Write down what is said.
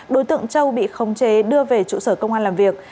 đối tượng châu bị khống chế đưa về trụ sở công an làm việc